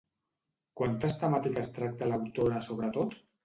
Quantes temàtiques tracta l'autora sobretot?